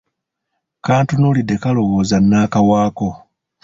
Kantunuulidde kalowooza nnaakawaako.